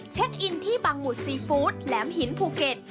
เช็คอินที่บังหุดซีฟู้ดแหลมหินภูเก็ต